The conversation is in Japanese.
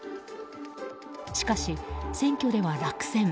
しかし、選挙では落選。